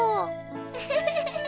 ウフフフ。